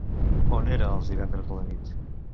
On era els divendres a la nit?